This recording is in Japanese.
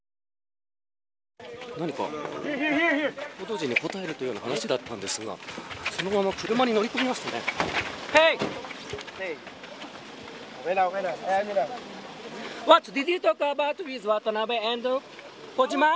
何か報道陣に答えるという話だったんですがそのまま車に乗り込みましたね。